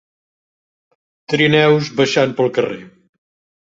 trineus baixant pel carrer